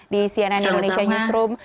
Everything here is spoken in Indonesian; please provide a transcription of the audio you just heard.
di cnn indonesia newsroom